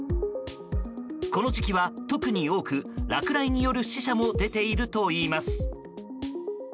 この時期は特に多く落雷による死者も出ているといいます。